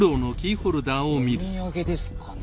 お土産ですかね？